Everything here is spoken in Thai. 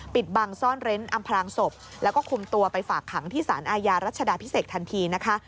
ปิดบังซ่อนเร้นอำพลางศพแล้วก็คุมตัวไปฝากขังที่สารอาญารัชดาพิเศษทันทีนะคะ